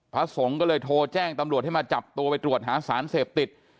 พระสงฆ์ก็เลยโทรแจ้งตำรวจให้มาจับตัวไปตรวจหาสารเสพติด